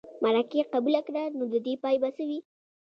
مرکې قبوله کړه نو د دې پای به څه وي.